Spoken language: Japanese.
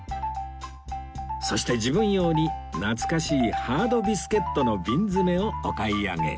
そして自分用に懐かしいハードビスケットの瓶詰めをお買い上げ